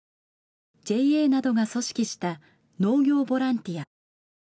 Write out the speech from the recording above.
ＪＡなどが組織した農業ボランティア。